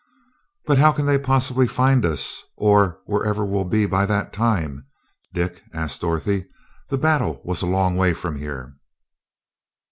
"But how can they possibly find us here, or wherever we'll be by that time, Dick?" asked Dorothy. "The battle was a long way from here."